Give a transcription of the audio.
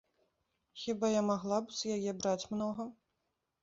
Хіба я магла б з яе браць многа?